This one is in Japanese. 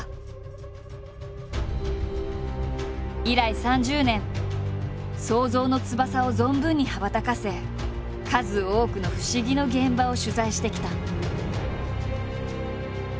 以来３０年想像の翼を存分に羽ばたかせ数多くの不思議の現場を取材してきた。